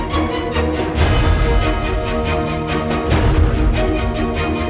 jangan sampai diego tahu gue pergi bawa bayinya